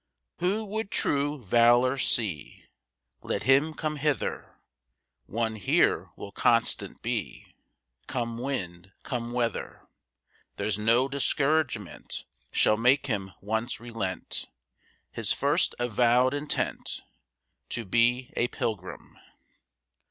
"Who would true valor see, Let him come hither; One here will constant be, Come wind, come weather; There's no discouragement Shall make him once relent His first avowed intent To be a pilgrim.